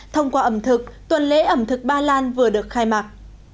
thông qua ẩm thực tuần lễ ẩm thực ba lan vừa được khai mạc